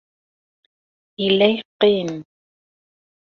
Yella yeqqim.